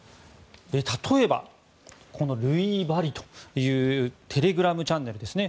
例えば、このルイーバリというテレグラムチャンネルですね。